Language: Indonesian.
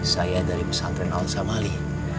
saya dari pesantren alsa mali